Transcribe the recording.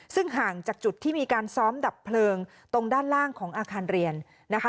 ซึ่งห่างจากจุดที่มีการซ้อมดับเพลิงตรงด้านล่างของอาคารเรียนนะคะ